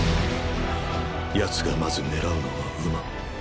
奴がまず狙うのは馬。